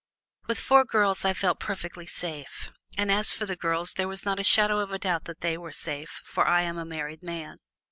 With four girls I felt perfectly safe, and as for the girls there was not a shadow of a doubt that they were safe, for I am a married man.